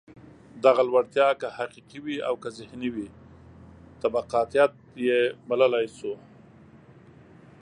دغه لوړتیا که حقیقي وي او که ذهني وي، طبقاتيت یې بللای شو.